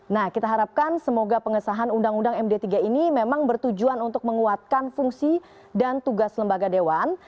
nah kita harapkan semoga pengesahan undang undang md tiga ini memang bertujuan untuk menguatkan fungsi dan tugas lembaga dewan